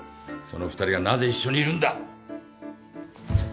その２人がなぜ一緒にいるんだ？